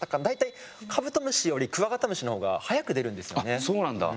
あっそうなんだ。